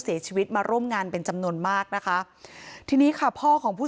เสียชีวิตมาร่วมงานเป็นจำนวนมากนะคะทีนี้ค่ะพ่อของผู้